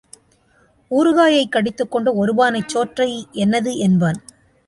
ஊறுகாயைக் கடித்துக் கொண்டு ஒரு பானைச் சோற்றை என்னது என்பான்.